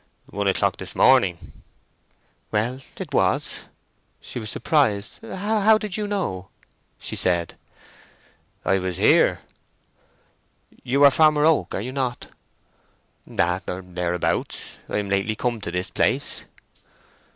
"One o'clock this morning?" "Well—it was." She was surprised. "How did you know?" she said. "I was here." "You are Farmer Oak, are you not?" "That or thereabouts. I'm lately come to this place."